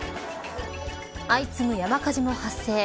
相次ぐ山火事も発生。